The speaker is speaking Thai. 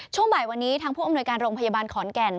ช่วงบ่ายวันนี้ทางผู้อำนวยการโรงพยาบาลขอนแก่น